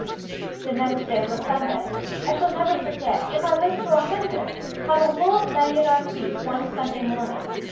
"The next day was Sunday. I shall never forget, if I live to a hundred, how the world lay at our feet one Sunday morning.